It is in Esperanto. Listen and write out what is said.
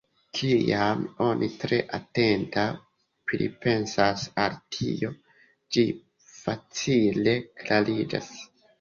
Kiam oni tre atente pripensas al tio, ĝi facile klariĝas.